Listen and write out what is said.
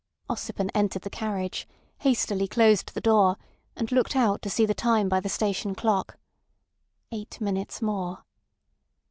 Ossipon entered the carriage, hastily closed the door and looked out to see the time by the station clock. Eight minutes more.